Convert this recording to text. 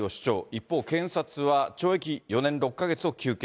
一方、検察は懲役４年６か月を求刑。